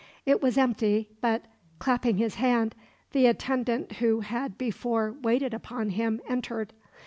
It was empty but, clapping his hand, the attendant who had before waited upon him entered.